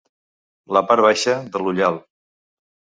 La part baixa de l'ullal.